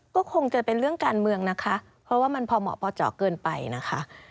ก็คงจะเป็นเรื่องการเมืองนะคะเพราะว่ามันพอเหมาะพอเจาะเกินไปนะคะ